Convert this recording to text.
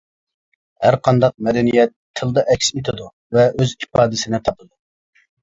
ھەرقانداق مەدەنىيەت تىلدا ئەكس ئېتىدۇ ۋە ئۆز ئىپادىسىنى تاپىدۇ.